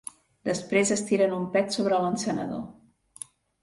Després es tiren un pet sobre l'encenedor.